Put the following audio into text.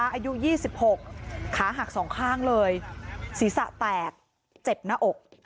อายุ๒๖ขาหักสองข้างเลยศีรษะแตกเจ็บหน้าอก